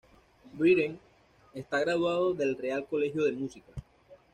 Britten está graduado del Real Colegio de Música.